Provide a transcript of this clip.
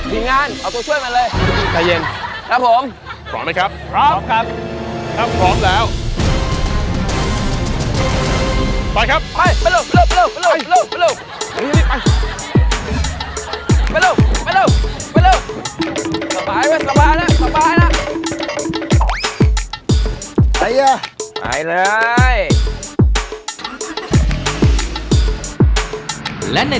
มีงานเอาตัวช่วยมาเลย